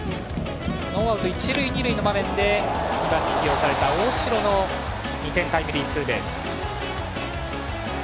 ノーアウト一塁二塁の場面で２番に起用された大城の２点タイムリーツーベース。